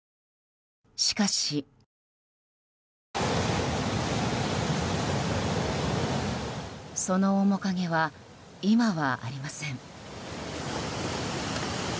しかし、その面影は今はありません。